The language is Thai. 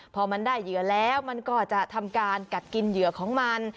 พอมันได้เหยื่อแล้วมันก็จะทำการกัดกินเหยื่อของมัน